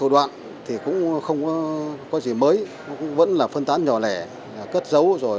rất khó xử lý